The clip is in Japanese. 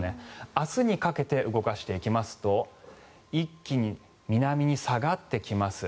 明日にかけて動かしていきますと一気に南に下がってきます。